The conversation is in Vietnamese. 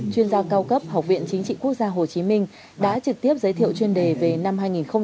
chuyên gia cao cấp học viện chính trị quốc gia hồ chí minh đã trực tiếp giới thiệu chuyên đề về năm hai nghìn hai mươi